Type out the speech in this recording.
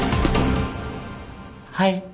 はい。